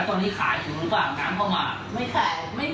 แล้วตอนนี้ขายถูกหรือเปล่าน้ำข้าวหมาก